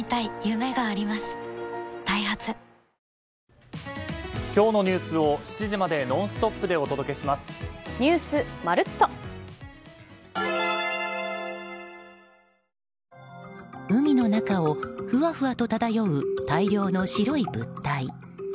ダイハツ海の中をふわふわと漂う大量の白い物体。